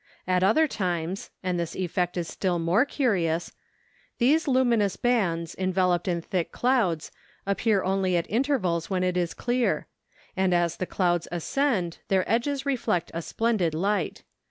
At other times (and this effect is still more curious) these luminous bands, enveloped in thick clouds, appear only at intervals when it is clear; and as the clouds ascend, their edges reflect a splendid light.